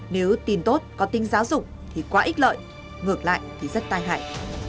nếu tin tốt có tính giáo dục thì quá ít lợi ngược lại thì rất tai hại